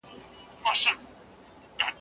تنفیذ کوونکی باید عادل او پوه وي.